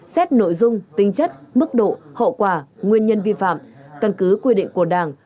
xét nội dung tinh chất mức độ hậu quả nguyên nhân vi phạm cân cứ quy định của đảng